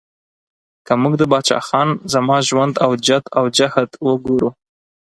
که موږ د پاچا خان زما ژوند او جد او جهد وګورو